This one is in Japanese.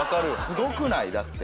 すごくない？だって。